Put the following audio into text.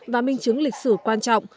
và minh chứng lịch sử quan trọng